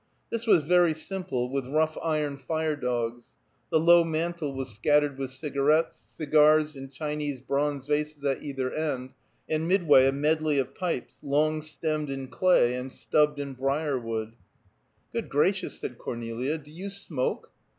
This was very simple, with rough iron fire dogs; the low mantel was scattered with cigarettes, cigars in Chinese bronze vases at either end, and midway a medley of pipes, long stemmed in clay and stubbed in briar wood. "Good gracious!" said Cornelia. "Do you smoke?"